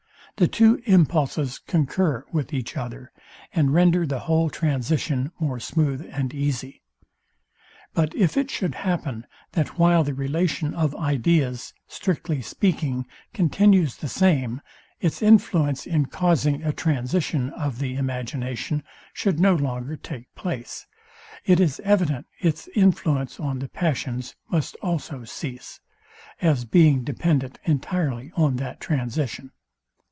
The two impulses concur with each other, and render the whole transition more smooth and easy. But if it should happen, that while the relation of ideas, strictly speaking, continues the same, its influence, in causing a transition of the imagination, should no longer take place, it is evident its influence on the passions must also cease, as being dependent entirely on that transition.